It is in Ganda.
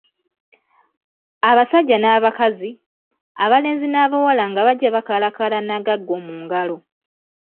Abasajja n’abakazi, abalenzi n’abawala nga bajja bakaalakaala n’agaggo mu ngalo.